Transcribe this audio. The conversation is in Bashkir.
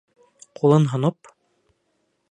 Ҡулын һоноп: